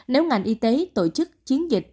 nếu ngành y tế tổ chức chiến dịch